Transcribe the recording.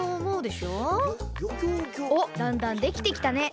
おっだんだんできてきたね。